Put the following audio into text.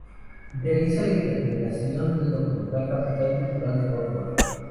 Realiza la interpretación del ‘Documental Capital Cultural de Córdoba’.